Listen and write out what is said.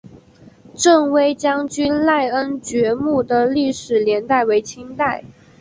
振威将军赖恩爵墓的历史年代为清代。